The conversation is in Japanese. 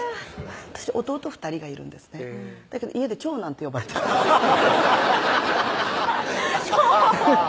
私弟２人がいるんですねだけど家で長男って呼ばれてる長男！